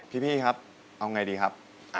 พี่พี่เลยครับเอาไงดีครับ